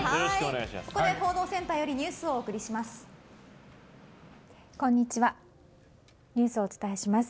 ここで報道センターよりニュースをお伝えします。